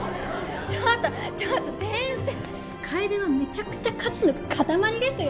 ちょっとちょっと先生楓はめちゃくちゃ価値の塊ですよ